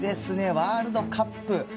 ワールドカップ。